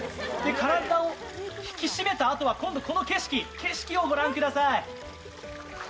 体を引き締めたあとは今度この景色をご覧ください。